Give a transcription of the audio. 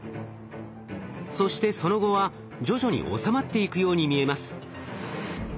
そしてその後は徐々に収まっていくように見えます。